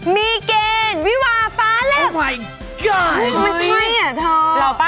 มีเกณฑ์วิวาฟ้าเล็ก